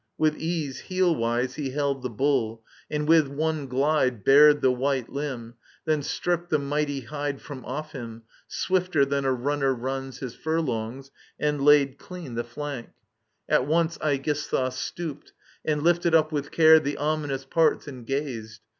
With ease Heelwise he held the bull, and with one glide Bared the white limb; then stripped the mighty hide From o£Fhim, swifter than a runner runs His furlongs, and laid clean the flank. At once Aegisthus stooped, and lifted up with care The ominous parts, and gazed.